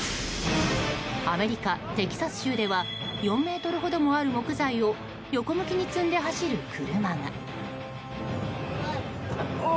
アメリカ・テキサス州では４ｍほどもある木材を横向きに積んで走る車が。